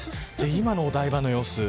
今のお台場の様子。